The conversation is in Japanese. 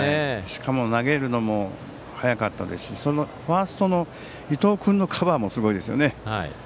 しかも投げるのも早かったですしファーストの伊藤君のカバーもすごいですよね。